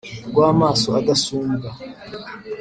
rw’amaso adasumbwa